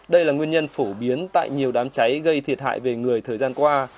đây là nguyên nhân phổ biến tại nhiều đám cháy gây thiệt hại về người thời gian qua